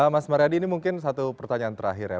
mas mariadi ini mungkin satu pertanyaan terakhir ya